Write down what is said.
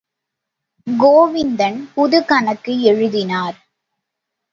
கோவிந்தன் புதுக்கணக்கு எழுதினார்.